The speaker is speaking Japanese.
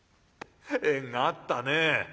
縁があったねえ。